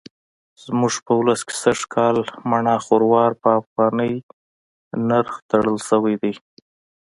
زموږ په ولس کې سږکال مڼه خروار په افغانۍ نرخ تړل شوی دی.